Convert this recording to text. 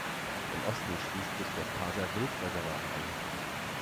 Im Osten schließt sich das "Parsa-Wildreservat" an.